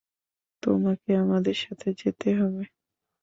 তোমাকে আমাদের সাথে যেতে হবে।